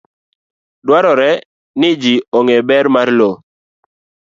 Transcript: Dwarore ni ji ong'e ber mar lowo.